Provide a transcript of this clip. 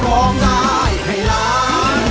ร้องได้ให้ล้าน